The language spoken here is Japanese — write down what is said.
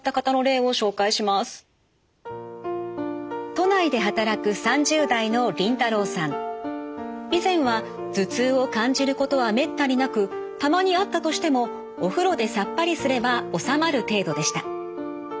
都内で働く以前は頭痛を感じることはめったになくたまにあったとしてもお風呂でさっぱりすれば治まる程度でした。